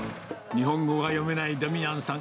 日本語が読めないデミアンさん。